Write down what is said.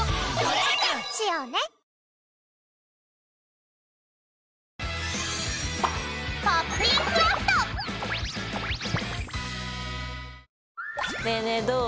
ねえねえどう？